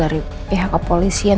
dari pihak kepolisian